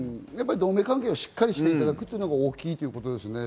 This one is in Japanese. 同盟関係をしっかりしていただくのが大きいですね。